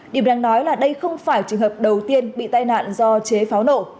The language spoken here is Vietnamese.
điểm đang nói là đây không phải trường hợp đầu tiên bị tai nạn do chế pháo nổ